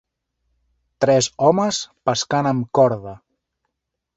Tres homes pescant amb corda.